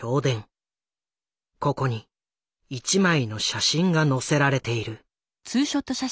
ここに１枚の写真が載せられている。